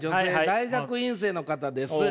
大学院生の方です。